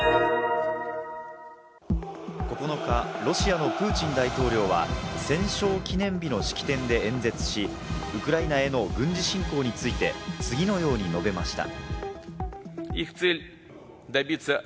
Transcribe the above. ９日、ロシアのプーチン大統領は戦勝記念日の式典で演説し、ウクライナへの軍事侵攻について次のように述べました。